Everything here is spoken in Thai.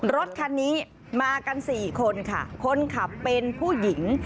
รถคันนี้มากันสี่คนค่ะคนขับเป็นผู้หญิง